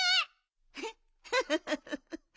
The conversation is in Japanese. フフッフフフフ。